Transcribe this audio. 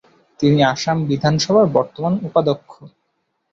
তিনি আসাম বিধানসভার বর্তমান উপাধ্যক্ষ।